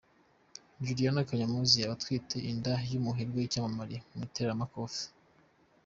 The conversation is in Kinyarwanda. Julianna Kanyomozi yaba atwite inda y’umuherwe w’icyamamare mu iteramakofe.